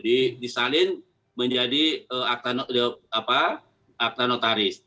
disalin menjadi akta notaris